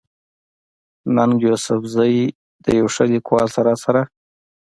ننګ يوسفزۍ د يو ښه ليکوال سره سره